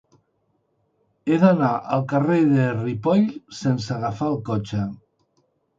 He d'anar al carrer de Ripoll sense agafar el cotxe.